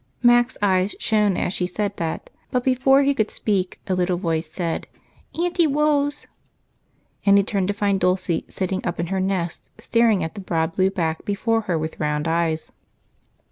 Mac's eyes shone as she said that, but before he could speak a little voice said, "Aunty Wose!" and he turned to find Dulce sitting up in her nest staring at the broad blue back before her with round eyes.